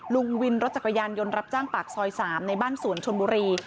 ลุงวินรถจักรยานยนต์รับจ้างปากซอย๓ในบ้านสวนชนบุรี